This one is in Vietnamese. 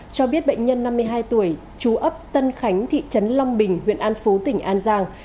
cho biết bệnh nhân năm mươi hai tuổi chú ấp tân khánh thị trấn long bình huyện an phú tỉnh an giang